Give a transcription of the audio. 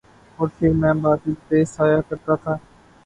اور پھر میں بادل پہ سایہ کرتا تھا